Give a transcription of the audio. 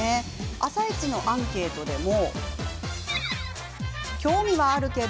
「あさイチ」のアンケートでも。